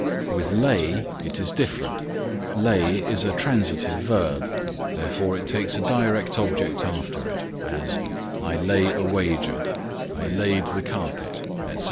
With lay it is different. Lay is a transitive verb, therefore it takes a direct object after it; as "I lay a wager," "I laid the carpet," etc.